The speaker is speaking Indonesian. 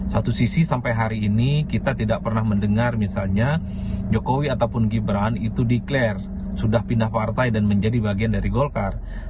satu sisi sampai hari ini kita tidak pernah mendengar misalnya jokowi ataupun gibran itu declare sudah pindah partai dan menjadi bagian dari golkar